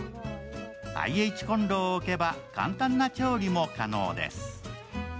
ＩＨこんろを置けば簡単な調理も可能です。